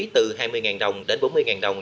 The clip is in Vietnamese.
từ hai mươi đồng đến bốn mươi đồng